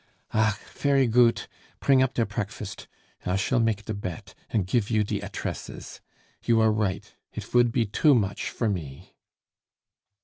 "Ach! fery goot! Pring up der preakfast; I shall make der bett, and gif you die attresses! You are right; it vould pe too much for me."